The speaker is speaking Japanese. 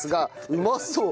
うまそう！